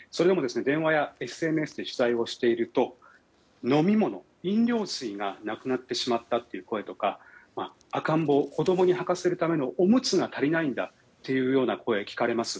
それでも、電話やＳＮＳで取材していると飲み物、飲料水がなくなってしまったという声や赤ん坊、子供に履かせるためのおむつが足りないという声がありました。